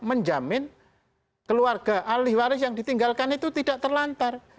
menjamin keluarga alih waris yang ditinggalkan itu tidak terlantar